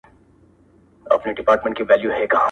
"مينه کــــــــــښې سر ساتنه نهٔ وي" څــــــهٔ لهٔ ناز به وائې